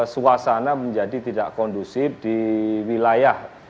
suasana menjadi tidak kondusif di wilayah